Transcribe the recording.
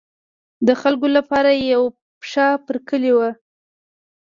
د خلکو لپاره یې یوه پښه پر کلي وه.